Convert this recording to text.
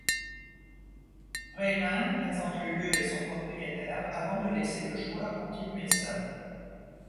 Rayman présente le lieu et son propriétaire avant de laisser le joueur continuer seul.